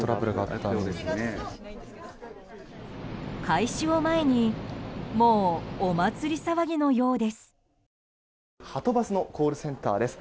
開始を前にもうお祭り騒ぎのようです。